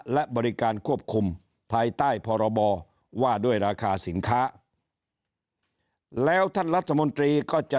และบริการควบคุมภายใต้พรบว่าด้วยราคาสินค้าแล้วท่านรัฐมนตรีก็จะ